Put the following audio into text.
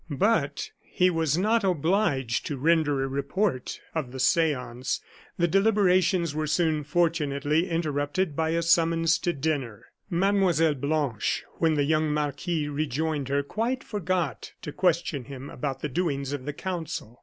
But he was not obliged to render a report of the seance. The deliberations were soon fortunately interrupted by a summons to dinner. Mlle. Blanche, when the young marquis rejoined her, quite forgot to question him about the doings of the council.